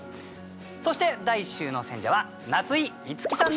そして第１週の選者は夏井いつきさんです。